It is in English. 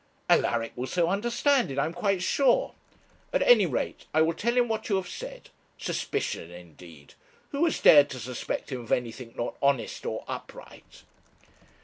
'Alaric will so understand it, I am quite sure; at any rate I will tell him what you have said. Suspicion indeed! who has dared to suspect him of anything not honest or upright?'